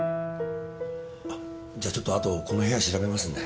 じゃちょっとあとこの部屋調べますんで。